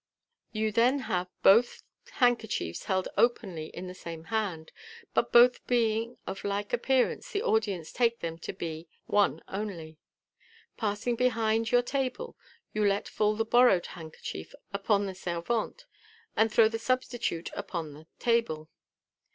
You thus have both handkerchiefs held openly in the same hand j but both being of like appearance, the audience take them to be one only. Passing behind your table, you let fall the borrowed handkerchief upon the servante, and throw the substitute upon the table.